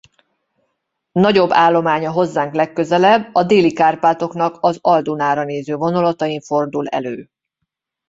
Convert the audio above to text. Nagyobb állománya hozzánk legközelebb a Déli-Kárpátoknak az Al-Dunára néző vonulatain fordul elő.